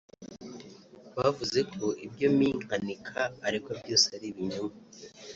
Bavuze ko ibyo Me Nkanika aregwa byose ari ibinyoma